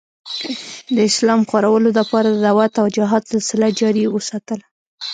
د اسلام خورلو دپاره د دعوت او جهاد سلسله جاري اوساتله